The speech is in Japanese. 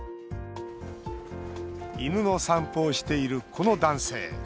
犬の散歩をしている、この男性。